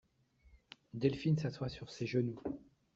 Delphine s'assoit sur ses genoux.